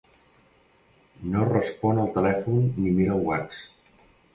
No respon al telèfon ni mira el whats.